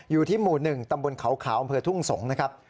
อยู่ที่หมู่๑ตำบลเขาขาวอำเภอทุ่งสงศ์นะครับ